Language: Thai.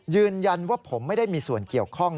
ยืนยันว่าผมไม่ได้มีส่วนเกี่ยวข้อง